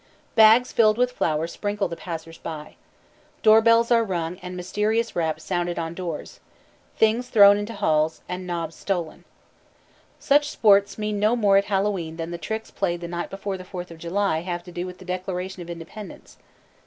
_ Bags filled with flour sprinkle the passers by. Door bells are rung and mysterious raps sounded on doors, things thrown into halls, and knobs stolen. Such sports mean no more at Hallowe'en than the tricks played the night before the Fourth of July have to do with the Declaration of Independence.